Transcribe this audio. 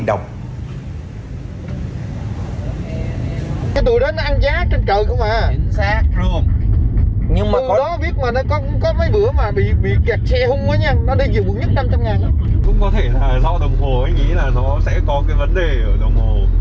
còn ứng dụng grabcar xe bốn chỗ báo giá hai trăm chín mươi tám đồng